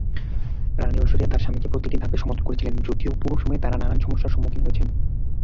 রাণী ঐশ্বরিয়া তার স্বামীকে প্রতিটি ধাপে সমর্থন করেছিলেন, যদিও পুরো সময়ে তারা নানান সমস্যার সম্মুখীন হয়েছেন।